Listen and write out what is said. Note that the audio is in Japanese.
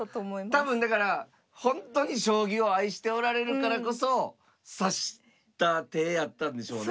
多分だから本当に将棋を愛しておられるからこそ指した手やったんでしょうね。